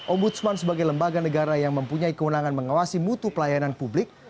ombudsman sebagai lembaga negara yang mempunyai kewenangan mengawasi mutu pelayanan publik